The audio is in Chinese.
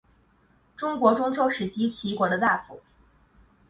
中国春秋时期齐国的大夫。